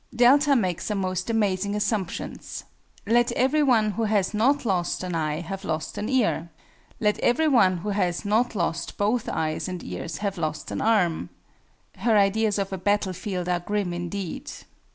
DELTA makes some most amazing assumptions: "let every one who has not lost an eye have lost an ear," "let every one who has not lost both eyes and ears have lost an arm." Her ideas of a battle field are grim indeed.